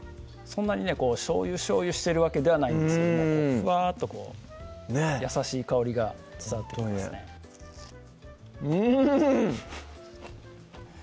そんなにねしょうゆしょうゆしてるわけではないんですけどもふわっとこう優しい香りが伝わってきますねうん！